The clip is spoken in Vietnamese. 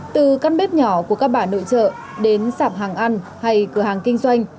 từ căn bếp nhỏ của các bà nội trợ đến sạp hàng ăn hay cửa hàng kinh doanh